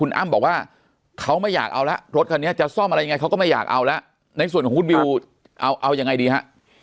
คุณบิวเอายังไงดีฮะก็ผมยินดีจะช่วยเหลือเต็มที่ครับ